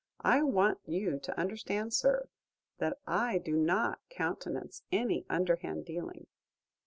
I want you to understand, sir, that I do not countenance any underhand dealing."